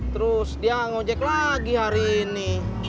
terus dia ngojek lagi hari ini